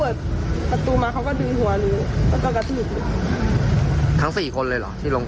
เปิดประตูมาเขาก็ดึงหัวหนูแล้วก็กระทืบทั้งสี่คนเลยเหรอที่ลง